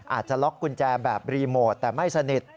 อาจจะล็อกกุญแจแบบรีโมทแต่ไม่สนิท